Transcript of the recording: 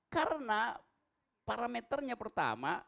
karena parameternya pertama